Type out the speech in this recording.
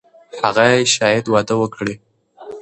هغه شاید واده وکړي.